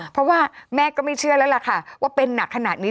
เพราะว่าแม่ก็ไม่เชื่อแล้วล่ะค่ะว่าเป็นหนักขนาดนี้